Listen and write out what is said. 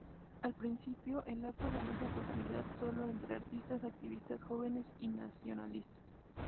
Al principio el Afro ganó popularidad solo entre artistas, activistas, jóvenes y nacionalistas.